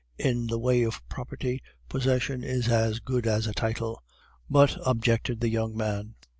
'In the way of property, possession is as good as a title.' "'But ' objected the young man.